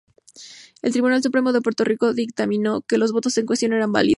El Tribunal Supremo de Puerto Rico dictaminó, que los votos en cuestión eran válidos.